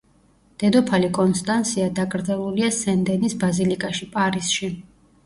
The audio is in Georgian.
დედოფალი კონსტანსია დაკრძალულია სენ დენის ბაზილიკაში, პარიზში.